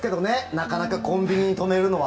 なかなかコンビニに止めるのは。